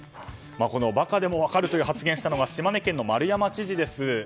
このバカでも分かるという発言をしたのが島根県の丸山知事です。